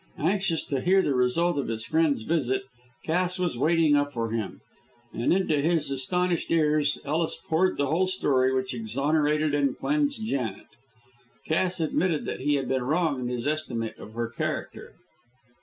Anxious to hear the result of his friend's visit, Cass was waiting up for him, and into his astonished ears Ellis poured the whole story which exonerated and cleansed Janet. Cass admitted that he had been wrong in his estimate of her character.